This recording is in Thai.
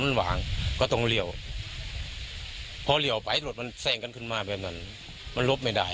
พอเหลวไปรถมันแทร่งกันขึ้นมาแบบนั้นมันลบไม่ได้